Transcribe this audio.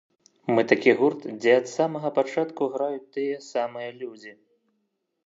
Мы такі гурт, дзе ад самага пачатку граюць тыя самыя людзі.